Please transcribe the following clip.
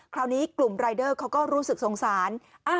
คราวนี้กลุ่มรายเดอร์เขาก็รู้สึกสงสาร